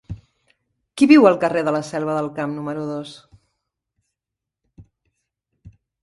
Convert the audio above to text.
Qui viu al carrer de la Selva del Camp número dos?